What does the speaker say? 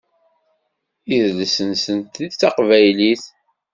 Idles-nsent d taqbaylit.